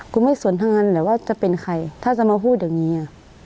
กูไม่สนทางนั้นเลยว่าจะเป็นใครถ้าจะมาพูดอย่างนี้